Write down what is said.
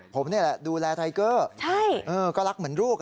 ผมนี่แหละดูแลไทเกอร์ก็รักเหมือนลูก